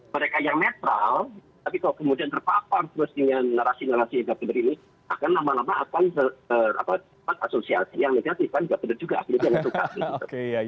mereka yang netral tapi kalau kemudian terpapar terus dengan narasi narasi yang nggak benar ini akan lama lama akan asosiasi yang negatif kan juga benar juga aplikasi yang suka gitu